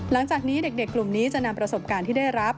หลังจากนี้เด็กกลุ่มนี้จะนำประสบการณ์ที่ได้รับ